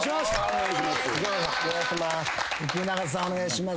お願いします。